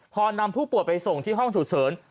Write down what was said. พอนำผู้ป่วยไปส่งที่ห้องฉุกเฉิน